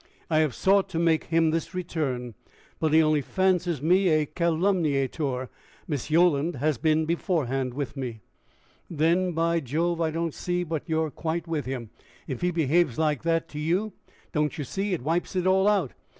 "I have sought to make him this return, but he only fancies me a calumniator. Miss Yolland has been beforehand with me." "Then, by Jove! I don't see but you're quits with him. If he behaves like that to you, don't you see, it wipes it all out?